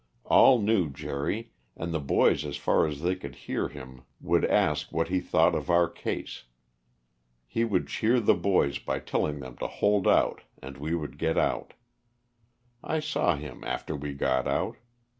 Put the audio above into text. All knew Jerry, and the boys as far as they could hear him would ask what he thought of our case. He would cheer the boys by telling them to hold out and we would get out. I saw him after we got out.